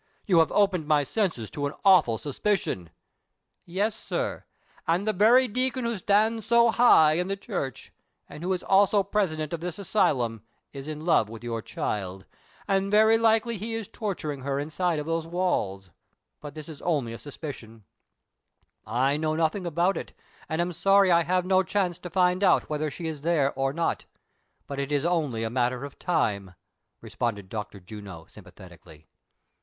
you have opened my senses to an awful sus picion "—" Yes, sir, and the very deacon who stands so high in the church, and who is also president of this asylum, is in love with your child ; and very likely he is torturing her inside of those walls ; but this is only a suspicion ; I know nothing about it, and am sorry I have no chance to find out whether she is there or not ; but it is only a matter of time !" responded Dr. Juno, sympathetically.